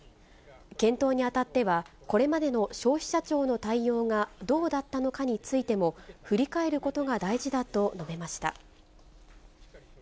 検討にあたっては、これまでの消費者庁の対応がどうだったのかについても、振り返ることが大事だと述べました。